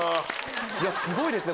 すごいですね！